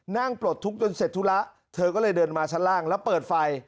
ปลดทุกข์จนเสร็จธุระเธอก็เลยเดินมาชั้นล่างแล้วเปิดไฟ